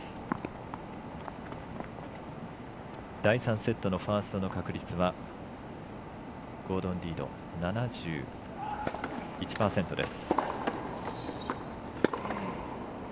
第３セットのファーストの確率はゴードン・リード７１％です。